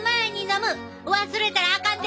忘れたらあかんで！